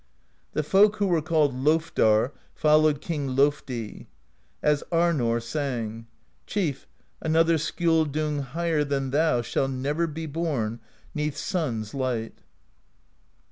The folk who were called Lofdar followed King Lofdi. As Arnorr sang: Chief, another Skjoldung higher Than thou shall ne'er be born 'neath sun's light.